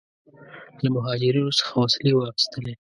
له مهاجرینو څخه وسلې واخیستلې.